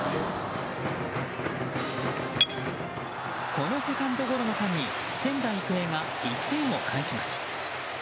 このセカンドゴロの間に仙台育英が１点を返します。